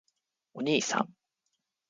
おにいさん！！！